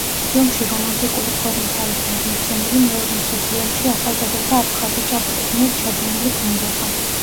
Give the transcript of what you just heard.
ფილმში რომანტიკული ფორმით არის გადმოცემული მეორე მსოფლიო ომში ახალგაზრდა აფხაზი ჭაბუკის მიერ ჩადენილი გმირობა.